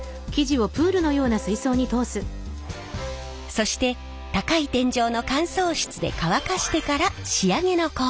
そして高い天井の乾燥室で乾かしてから仕上げの工程へ。